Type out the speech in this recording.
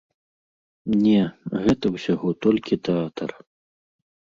Не, гэта ўсяго толькі тэатр.